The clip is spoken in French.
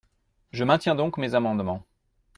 Je maintiens donc mes amendements.